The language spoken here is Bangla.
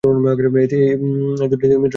এই দুটিতে মিত্রশক্তি জয়ী হয়েছিল।